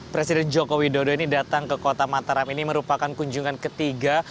presiden joko widodo ini datang ke kota mataram ini merupakan kunjungan ketiga